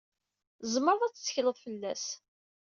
Tzemred ad tettekled fell-as.